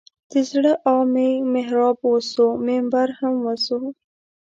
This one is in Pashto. د زړه آه مې محراب وسو منبر هم وسو.